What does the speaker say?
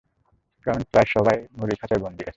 কারণ প্রায় সবাই-ই এই মুরগির খাঁচায় বন্দী আছে।